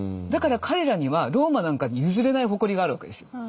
だから彼らにはローマなんかに譲れない誇りがあるわけですよ。